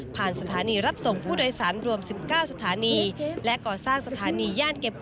สถานีรับส่งผู้โดยสารรวม๑๙สถานีและก่อสร้างสถานีย่านเก็บ